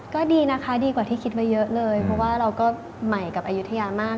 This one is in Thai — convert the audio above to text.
ก็ดีนะคะดีกว่าที่คิดไว้เยอะเลยเพราะว่าเราก็ใหม่กับอายุทยามาก